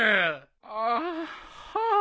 ああはあ。